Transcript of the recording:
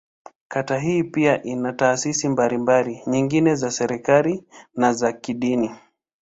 Kata hii pia ina taasisi mbalimbali nyingine za serikali, na za kidini.